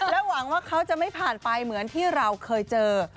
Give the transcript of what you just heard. หวังว่าเขาจะไม่ผ่านไปเหมือนที่เราเคยเจอ